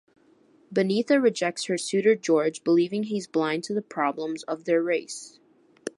Beneatha rejects her suitor George, believing he's blind to the problems of their race.